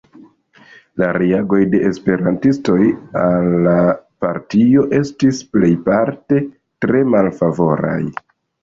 La reagoj de esperantistoj al la partio estis plejparte tre malfavoraj.